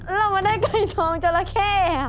แล้วมาได้ไกรทองจรเข้